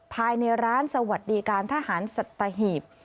ภายในร้านสวัสดีการทหารสัตหีบ